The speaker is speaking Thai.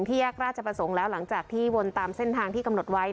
แยกราชประสงค์แล้วหลังจากที่วนตามเส้นทางที่กำหนดไว้